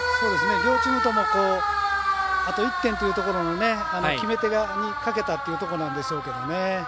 両チームともあと１点というところの決め手に欠けたというところですね。